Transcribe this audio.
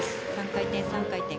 ３回転、３回転。